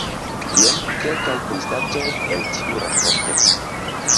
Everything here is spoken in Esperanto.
Jen kelkaj konstatoj el tiu raporto.